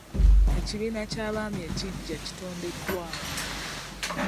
Ekibiina ky'abaami ekiggya kitondeddwawo.